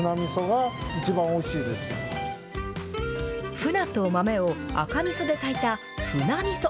フナと豆を赤みそで炊いた、ふなみそ。